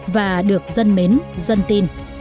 và được dân mến dân tin